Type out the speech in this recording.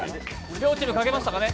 両チーム、書けましたかね。